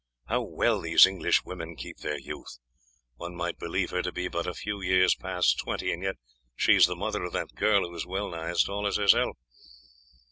How well these English women keep their youth! One might believe her to be but a few years past twenty, and yet she is the mother of that girl, who is well nigh as tall as herself."